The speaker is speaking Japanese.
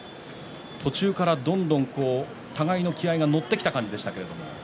途中からどんどん互いに気合いが乗ってきた感じでしたけれども。